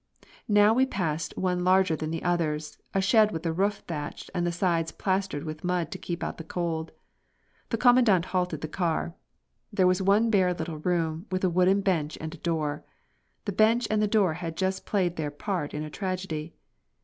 Now we passed one larger than the others, a shed with the roof thatched and the sides plastered with mud to keep out the cold. The Commandant halted the car. There was one bare little room with a wooden bench and a door. The bench and the door had just played their part in a tragedy.